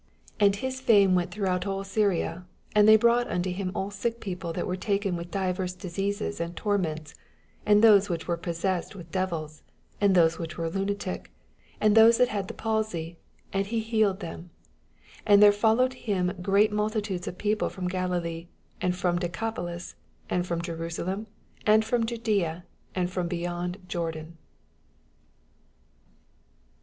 24 And his fiune irent throoghont all S^ria : and they brought onto him all sick people that were taken with divers oiBeases and torments, and those whieh were possessed with dsTils, and those which were Innatic, and those that had the pabj . and hi healed them. 25 And there followed him great multitudes of people from Galilee, and/rom Deoapolis. and from Jero salem, and from tludflea, and from beyond Joroan.